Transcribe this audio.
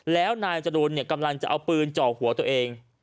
แล้วนายจรูนกำลังจะเอาปืนจ่อหัวตัวเอง